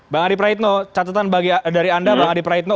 bang adi praetno catatan dari anda bang adi praetno